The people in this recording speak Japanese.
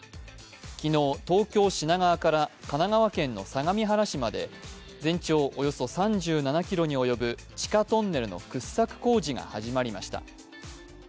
昨日、東京・品川から神奈川県の相模原市まで全長およそ３７ｋｍに及ぶ地下トンネルの掘削工事が始まりました。